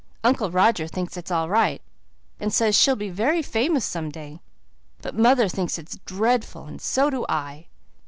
"Uncle Roger thinks it is all right, and says she'll be very famous some day. But mother thinks it's dreadful, and so do I."